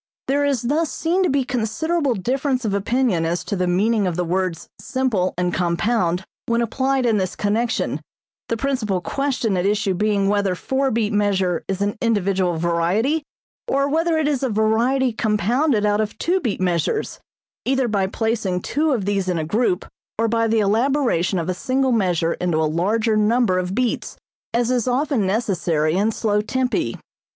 There is thus seen to be considerable difference of opinion as to the meaning of the words simple and compound when applied in this connection, the principal question at issue being whether four beat measure is an individual variety, or whether it is a variety compounded out of two beat measures, either by placing two of these in a group or by the elaboration of a single measure into a larger number of beats, as is often necessary in slow tempi.